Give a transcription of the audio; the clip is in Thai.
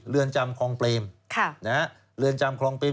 เรือนจำครองเตรม